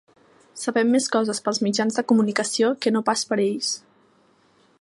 Sabem més coses pels mitjans de comunicació que no pas per ells.